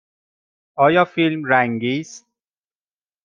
آیا فیلم رنگی است؟